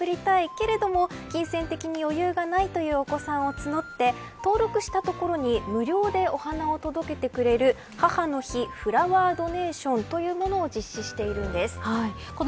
けれども金銭的に余裕がないというお子さんを募って登録したところに無料でお花を届けてくれる母の日フラワードネーションというものを実施しているんです。